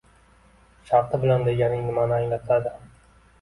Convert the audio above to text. “Sharti bilan” degani nimani anglatadi?